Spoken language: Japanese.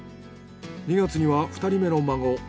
２月には２人目の孫